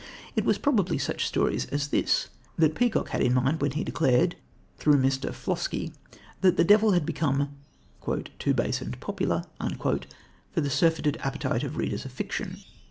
It was probably such stories as this that Peacock had in mind when he declared, through Mr. Flosky, that the devil had become "too base and popular" for the surfeited appetite of readers of fiction.